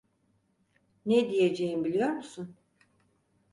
Ne diyeceğim biliyor musun?